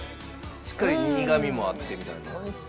しっかり苦みもあってみたいな？